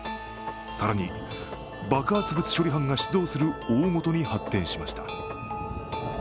更に爆発物処理班が出動する大ごとに発展しました。